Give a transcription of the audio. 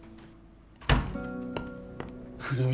久留美。